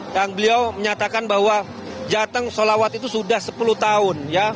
dan beliau menyatakan bahwa jateng sholawat itu sudah sepuluh tahun